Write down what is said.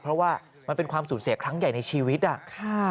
เพราะว่ามันเป็นความสูญเสียครั้งใหญ่ในชีวิตอ่ะค่ะ